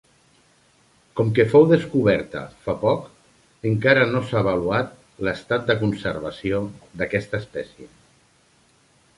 Com que fou descoberta fa poc, encara no s'ha avaluat l'estat de conservació d'aquesta espècie.